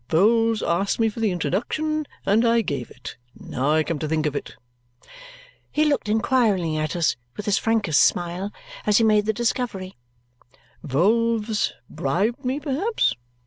Vholes asked me for the introduction, and I gave it. Now I come to think of it," he looked inquiringly at us with his frankest smile as he made the discovery, "Vholes bribed me, perhaps?